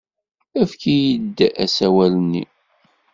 Efk-iyi-d asawal-nni.